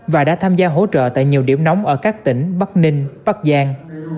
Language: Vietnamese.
và đã tham gia hỗ trợ tại nhiều điểm nóng ở các tỉnh bắc ninh bắc giang